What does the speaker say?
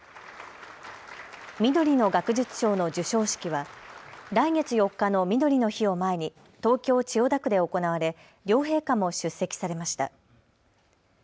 みどりの学術賞の授賞式は来月４日のみどりの日を前に東京千代田区で行われ両陛下も出席されました。